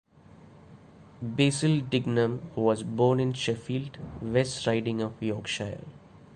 Basil Dignam was born in Sheffield, West Riding of Yorkshire.